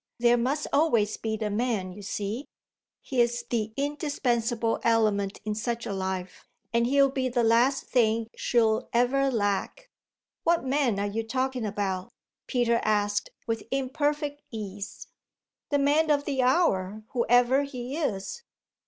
"There must always be the man, you see. He's the indispensable element in such a life, and he'll be the last thing she'll ever lack." "What man are you talking about?" Peter asked with imperfect ease. "The man of the hour, whoever he is.